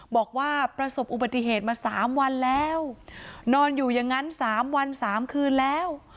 บอกว่าประสบอุบัติเหตุมา๓วันแล้วนอนอยู่อย่างนั้น๓วัน๓คืนแล้ว